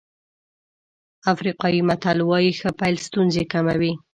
افریقایي متل وایي ښه پيل ستونزې کموي.